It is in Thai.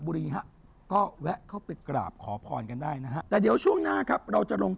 ฮะก็แวะเข้าไปกราบขอพรกันได้นะฮะแต่เดี๋ยวช่วงหน้าครับเราจะลง